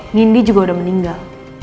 nindi juga udah meninggal